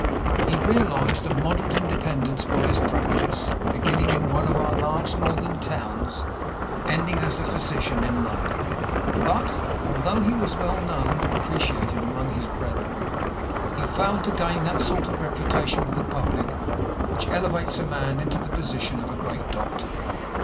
He realized a moderate independence by his practice, beginning in one of our large northern towns and ending as a physician in London; but, although he was well known and appreciated among his brethren, he failed to gain that sort of reputation with the public which elevates a man into the position of a great doctor.